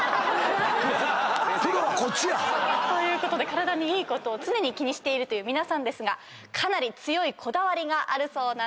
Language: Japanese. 体にいいことを常に気にしてるという皆さんですがかなり強いこだわりがあるそうなんです。